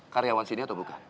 karyawan sini atau bukan